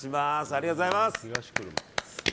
ありがとうございます。